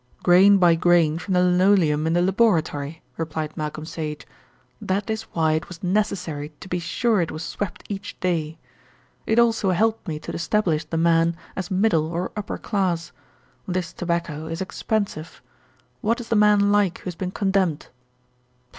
"Grain by grain from the linoleum in the laboratory," replied Malcolm Sage. "That is why it was necessary to be sure it was swept each day. It also helped me to establish the man as middle or upper class. This tobacco is expensive. What is the man like who has been condemned?"